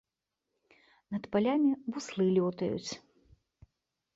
Над палямі буслы лётаюць.